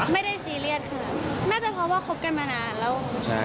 ไม่ได้เชียร์เรียสคือน่าจะเพราะว่าคบกันมานานแล้ว